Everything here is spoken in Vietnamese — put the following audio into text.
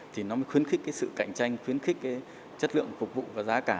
thì nó mới khuyến khích sự cạnh tranh khuyến khích chất lượng phục vụ và giá cả